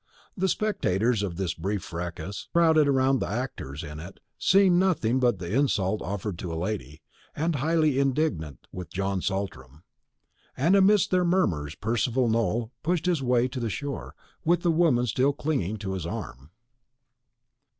The spectators of this brief fracas crowded round the actors in it, seeing nothing but the insult offered to a lady, and highly indignant with John Saltram; and amidst their murmurs Percival Nowell pushed his way to the shore, with the woman still clinging to his arm.